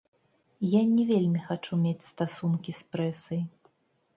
Я не вельмі хачу мець стасункі з прэсай.